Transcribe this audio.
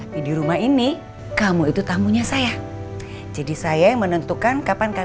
tidak ada ampun